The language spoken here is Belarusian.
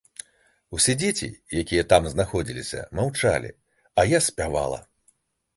Усе дзеці, якія там знаходзіліся, маўчалі, а я спявала.